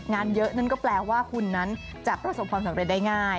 งานเยอะนั่นก็แปลว่าคุณนั้นจะประสบความสำเร็จได้ง่าย